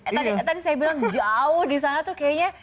tadi saya bilang jauh disana tuh kayaknya